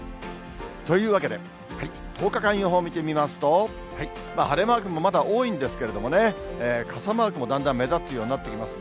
というわけで、１０日間予報を見てみますと、晴れマークもまだ多いんですけれどもね、傘マークもだんだん目立つようになってきます。